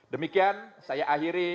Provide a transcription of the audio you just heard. demikian saya akhiri